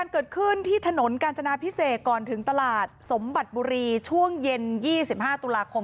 เกิดขึ้นที่ถนนกาญจนาพิเศษก่อนถึงตลาดสมบัติบุรีช่วงเย็น๒๕ตุลาคม